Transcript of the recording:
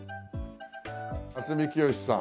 渥美清さん